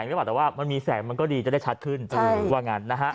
แต่ว่ามันมีแสงมันก็ดีจะได้ชัดขึ้น